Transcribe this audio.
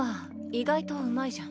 意外とうまいじゃん。